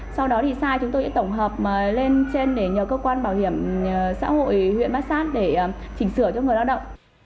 sau đó thì xa chúng tôi sẽ tổng hợp lên trên để nhờ cơ quan bảo hiểm xã hội huyện bát sát để chỉnh sửa cho người lao động